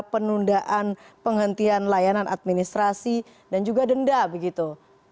penundaan penghentian layanan administrasi dan juga denda begitu